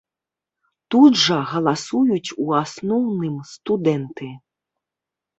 Тут жа галасуюць у асноўным студэнты.